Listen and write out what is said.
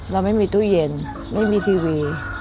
เราไม่มีตู้เย็นไม่มีทีวี